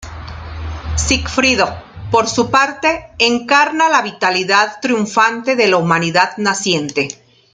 Sigfrido, por su parte, encarna la vitalidad triunfante de la humanidad naciente.